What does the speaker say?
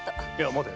待て。